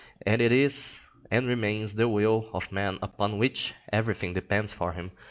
It is and remains the will of man upon which everything depends for him.